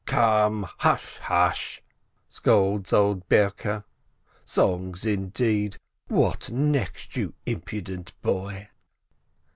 "Come! hush, hush!" scolds old Berke. "Songs, in deed ! What next, you impudent boy